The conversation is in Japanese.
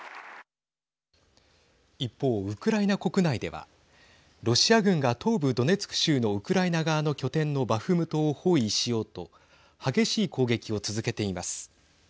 一方、ウクライナ国内ではロシア軍が東部ドネツク州のウクライナ側の拠点のバフムトを包囲しようと激しい攻撃を続けています。